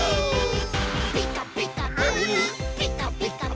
「ピカピカブ！ピカピカブ！」